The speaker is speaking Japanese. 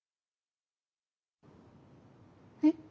えっ。